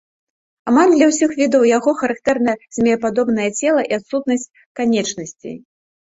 Амаль для ўсіх відаў яго характэрна змеепадобнае цела і адсутнасць канечнасцей.